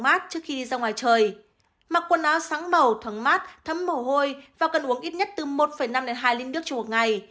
mặc quần áo sáng màu thoáng mát thấm mồ hôi và cần uống ít nhất từ một năm hai linh nước trong một ngày